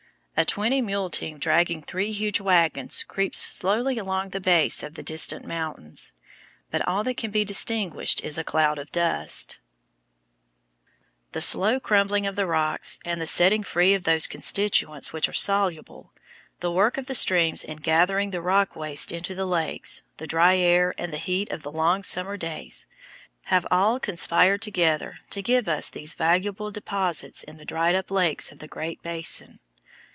A twenty mule team dragging three huge wagons creeps slowly along the base of the distant mountains, but all that can be distinguished is a cloud of dust. [Illustration: FIG. 45. FREIGHTING BORAX ACROSS THE DESERT] The slow crumbling of the rocks, and the setting free of those constituents which are soluble, the work of the streams in gathering the rock waste into the lakes, the dry air and the heat of the long summer days, have all conspired together to give us these valuable deposits in the dried up lakes of the Great Basin.